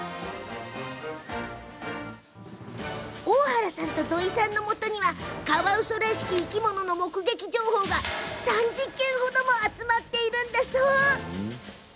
大原さんと土井さんのもとにはカワウソらしき生き物の目撃情報が、３０件ほども集まっているんだそう。